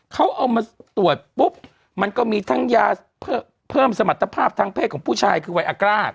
เขาเอามาตรวจปุ๊บมันก็มีทั้งยาเพิ่มสมรรถภาพทางเพศของผู้ชายคือไวอากร่า